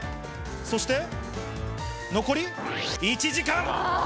そして、残り１時間！